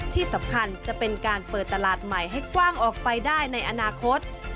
ที่สำคัญจะเป็นการเปิดตลาดใหม่ให้กว้างออกไปได้ในอนาคต